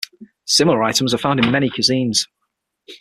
Similar items are found in many cuisines.